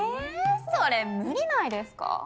それ無理ないですか？